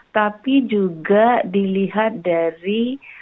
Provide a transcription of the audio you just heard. tapi juga dilihat dari